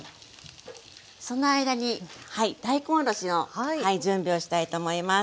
その間に大根おろしの準備をしたいと思います。